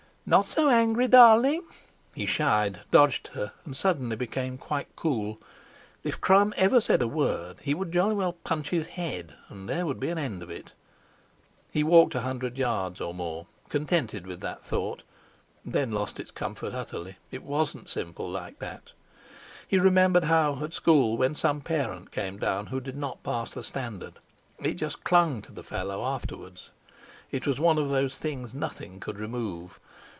"Not so angry, darling!" He shied, dodged her, and suddenly became quite cool. If Crum ever said a word, he would jolly well punch his head, and there would be an end of it. He walked a hundred yards or more, contented with that thought, then lost its comfort utterly. It wasn't simple like that! He remembered how, at school, when some parent came down who did not pass the standard, it just clung to the fellow afterwards. It was one of those things nothing could remove.